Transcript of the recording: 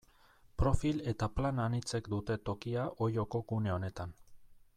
Profil eta plan anitzek dute tokia Olloko gune honetan.